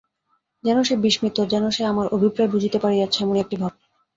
যেন সে বিস্মিত, যেন সে আমার অভিপ্রায় বুঝিতে পারিয়াছে, এমনি একটা ভাব।